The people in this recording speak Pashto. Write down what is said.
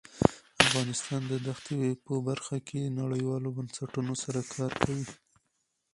افغانستان د دښتې په برخه کې نړیوالو بنسټونو سره کار کوي.